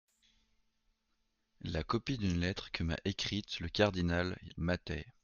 la copie d'une lettre que m'a écrite le cardinal Mattei.